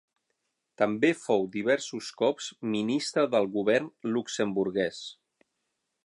També fou diversos cops ministre del govern luxemburguès.